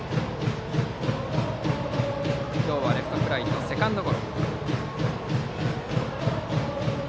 今日はレフトフライとセカンドゴロ。